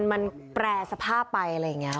มันแปรสภาพไปอะไรอย่างนี้